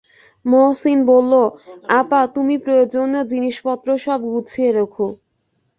মহসিন বলল, আপা, তুমি প্রয়োজনীয় জিনিসপত্র সব গুছিয়ে রােখ।